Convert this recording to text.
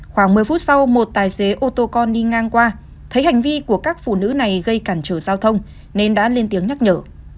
khoảng một mươi phút sau một tài xế ô tô con đi ngang qua thấy hành vi của các phụ nữ này gây cản trở giao thông nên đã lên tiếng nhắc nhở